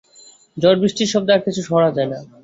ঝড়-বৃষ্টির শব্দে আর কিছু শোনা যায় না।